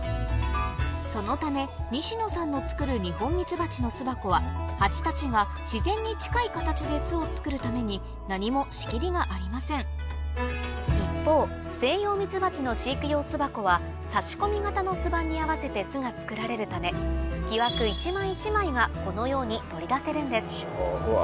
そのため西野さんの作るニホンミツバチの巣箱はハチたちが自然に近い形で巣を作るために何も一方セイヨウミツバチの飼育用巣箱は差し込み型の巣板に合わせて巣が作られるため木枠一枚一枚がこのように取り出せるんですうわ